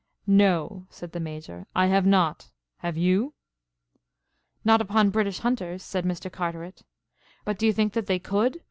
"No," said the Major, "I have not. Have you?" "Not upon British Hunters," said Mr. Carteret. "But do you think that they could?"